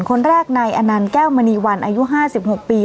คนแรกนายอนันต์แก้วมณีวันอายุ๕๖ปี